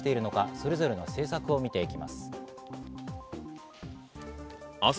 それぞれの政策を見ていきます。